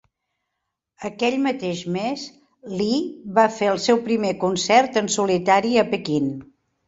Aquell mateix mes, Li va fer el seu primer concert en solitari a Pequín.